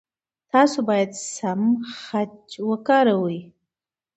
تاسو باید سم خج وکاروئ.